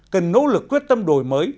cần nỗ lực quyết tâm đổi mới